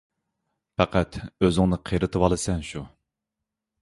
پەقەت ئۆزۈڭنى قېرىتىۋالىسەن شۇ!